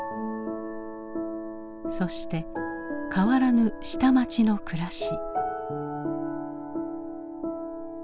そして変わらぬ下町の暮らし。